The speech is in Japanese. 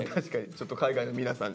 ちょっと海外の皆さん